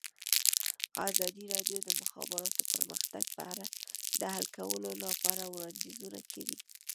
ازادي راډیو د د مخابراتو پرمختګ په اړه د حل کولو لپاره وړاندیزونه کړي.